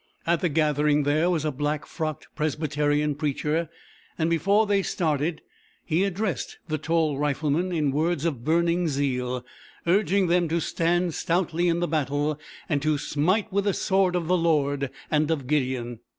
At the gathering there was a black frocked Presbyterian preacher, and before they started he addressed the tall riflemen in words of burning zeal, urging them to stand stoutly in the battle, and to smite with the sword of the Lord and of Gideon.